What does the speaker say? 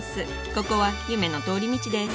ここは夢の通り道です